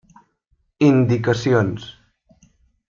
Indicacions: